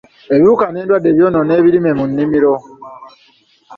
Ebiwuka n'endwadde byonoona ebirime mu nnimiro.